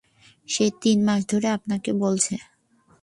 সে তিন মাস ধরে আপনাকে বলছে।